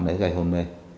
để gây hôn mê